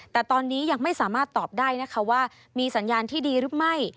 แต่ตอนนี้ยังไม่สามารถตอบได้นะคะว่ามีสัญญาณที่ดีหรือไม่